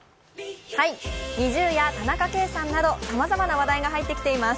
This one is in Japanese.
ＮｉｚｉＵや田中圭さんなど、さまざまな話題が入ってきています。